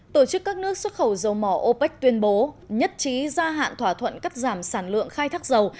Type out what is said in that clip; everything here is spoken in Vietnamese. tổ chức các nước xuất khẩu dầu mỏ opec tuyên bố nhất trí gia hạn thỏa thuận cắt giảm sản lượng khai thác dầu